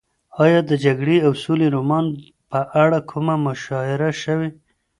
ایا د جګړې او سولې رومان په اړه کومه مشاعره شوې؟